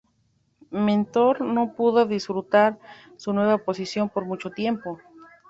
Mentor no pudo disfrutar su nueva posición por mucho tiempo.